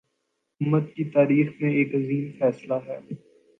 امت کی تاریخ میں ایک عظیم فیصلہ ہے